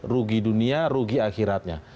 rugi dunia rugi akhiratnya